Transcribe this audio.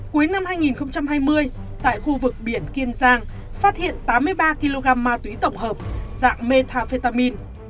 cuối năm hai nghìn hai mươi tại khu vực biển kiên giang phát hiện tám mươi ba kg ma túy tổng hợp dạng metafetamin